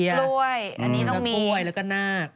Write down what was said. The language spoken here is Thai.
กล้วยอันนี้ต้องมีกล้วยแล้วก็นาค